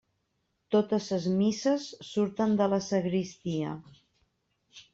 Totes ses misses surten de la sagristia.